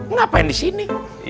ngapain di sini